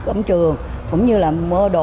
ấm trường cũng như là mua đồ